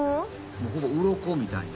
もうほぼうろこみたいな。